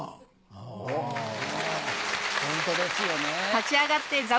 あホントですよね。